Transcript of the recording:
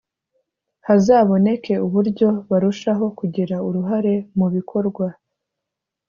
hazaboneke uburyo barushaho kugira uruhare mubikorwa